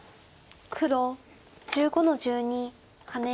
黒１５の十二ハネ。